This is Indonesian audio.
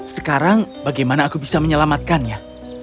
sekarang bagaimana aku bisa menyelamatkannya